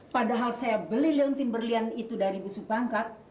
padahal saya beli leontin berlian itu dari ibu supangkat